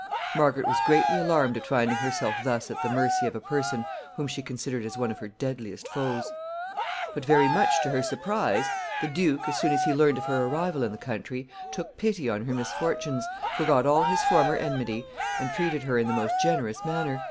Margaret was greatly alarmed at finding herself thus at the mercy of a person whom she considered as one of her deadliest foes. [Sidenote: Generosity of the duke.] But, very much to her surprise, the duke, as soon as he heard of her arrival in the country, took pity on her misfortunes, forgot all his former enmity, and treated her in the most generous manner.